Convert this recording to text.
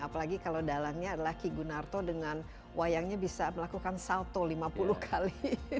apalagi kalau dalangnya adalah ki gunarto dengan wayangnya bisa melakukan salto lima puluh kali